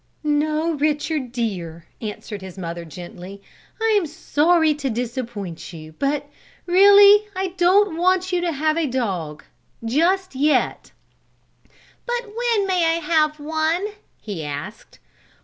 "No, Richard, dear," answered his mother gently. "I'm sorry to disappoint you, but, really I don't want you to have a dog just yet." "But when may I have one?" he asked.